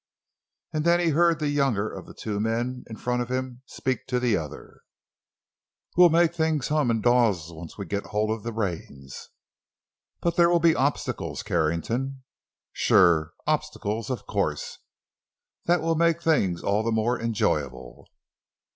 And then he heard the younger of the two men in front of him speak to the other: "We'll make things hum in Dawes, once we get hold of the reins." "But there will be obstacles, Carrington." "Sure! Obstacles! Of course. That will make the thing all the more enjoyable."